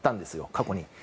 過去には。